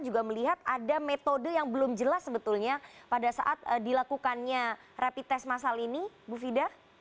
juga melihat ada metode yang belum jelas sebetulnya pada saat dilakukannya rapid test masal ini bu fida